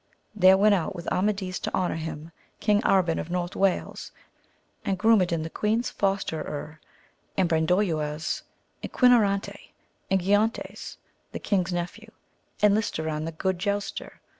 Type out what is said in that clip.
There went out with Amadis to honour him, King Arban of North Wales, and Grumedan the queen's fosterer, and Brandoyuas and Quinorante, and Giontes the king's nephew, and Listo ran the good jouster.